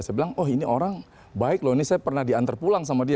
saya bilang oh ini orang baik loh ini saya pernah diantar pulang sama dia